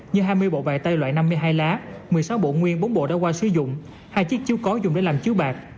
như hai mươi bộ bài tay loại năm mươi hai lá một mươi sáu bộ nguyên bốn bộ đã qua sử dụng hai chiếc chiếu có dùng để làm chiếu bạc